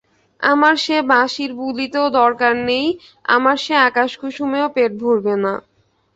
আমার সে বাঁশির বুলিতেও দরকার নেই, আমার সে আকাশকুসুমেও পেট ভরবে না।